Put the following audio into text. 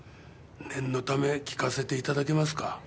念のため聞かせていただけますか？